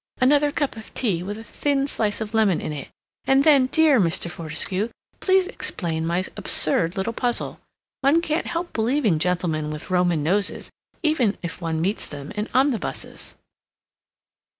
Another cup of tea, with a thin slice of lemon in it, and then, dear Mr. Fortescue, please explain my absurd little puzzle. One can't help believing gentlemen with Roman noses, even if one meets them in omnibuses."